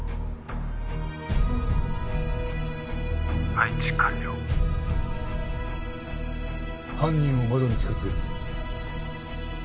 「配置完了」犯人を窓に近づける。